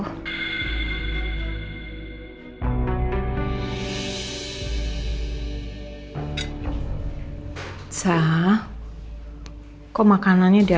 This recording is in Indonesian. sah kok makanannya diaduk aduk gitu cuman nya enggak di makan